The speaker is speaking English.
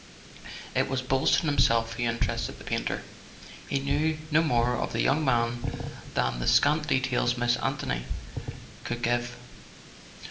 It was Boylston himself who interested the painter. He knew no more of the young man than the scant details Miss Anthony could give.